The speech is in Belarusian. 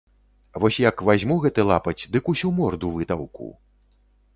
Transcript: Вось як вазьму гэты лапаць, дык усю морду вытаўку.